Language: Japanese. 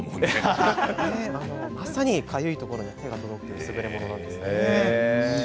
まさに、かゆいところに手が届く優れものなんです。